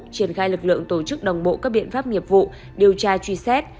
triển khai lực lượng tổ chức đồng bộ các biện pháp nghiệp vụ điều tra truy xét